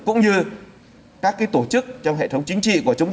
cũng như các tổ chức trong hệ thống chính trị của chúng ta